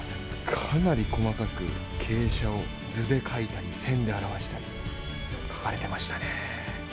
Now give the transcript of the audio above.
かなり細かく傾斜を図で書いたり線で表したり書かれてましたね。